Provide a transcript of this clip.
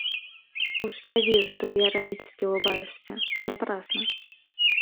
Уж я вижу, что ты иронически улыбаешься, но напрасно.